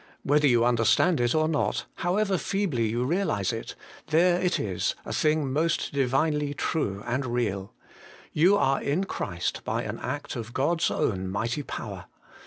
Whether you understand it or not, however feebly you realize it, there it is, a thing most Divinely true and real. You are in Christ, by an act of God's own Mighty Power.